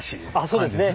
そうですね。